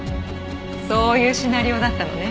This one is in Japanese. そういうシナリオだったのね。